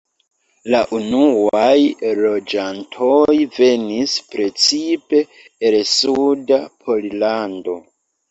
La unuaj loĝantoj venis precipe el suda Pollando.